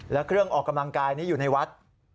และเครื่องออกกำลังกายนี้อยู่ในวัด